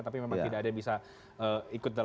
tapi memang tidak ada yang bisa ikut dalam